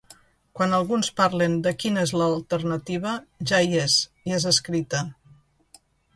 Quan alguns parlen de quina és l’alternativa, ja hi és i és escrita.